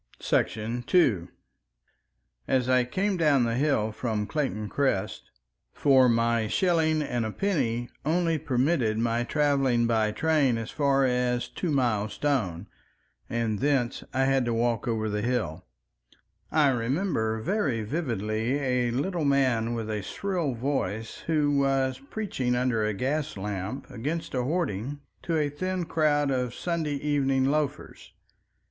§ 2 As I came down the hill from Clayton Crest—for my shilling and a penny only permitted my traveling by train as far as Two Mile Stone, and thence I had to walk over the hill—I remember very vividly a little man with a shrill voice who was preaching under a gas lamp against a hoarding to a thin crowd of Sunday evening loafers.